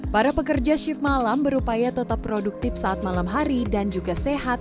para pekerja shift malam berupaya tetap produktif saat malam hari dan juga sehat